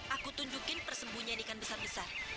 aku tunjukin persembunyian ikan besar besar